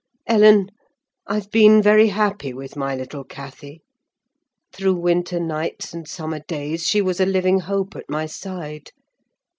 Ellen, I've been very happy with my little Cathy: through winter nights and summer days she was a living hope at my side.